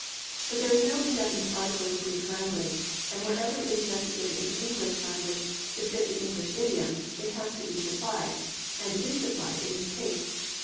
"+ But there is no indefinite article in the Greek language, and wherever it is necessary in the English translation to fit the English idiom, it has to be supplied, and it is supplied, in this case.